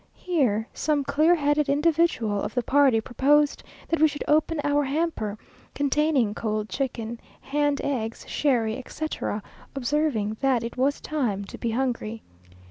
Here some clear headed individual of the party proposed that we should open our hamper, containing cold chicken, hand eggs, sherry, etc.; observing, that it was time to be hungry.